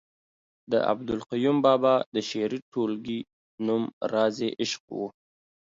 د عبدالقیوم بابا د شعري ټولګې نوم رازِ عشق ؤ